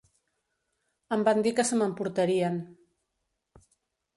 Em van dir que se m'emportarien.